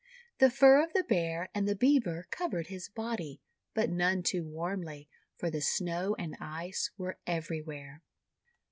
The fur of the Bear and the Beaver covered his body, but none too warmly, for the Snow and Ice were everywhere.